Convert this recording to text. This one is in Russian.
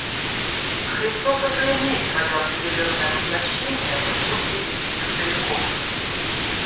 Христос уже имеет свое определенное воплощение в искусстве великих стариков.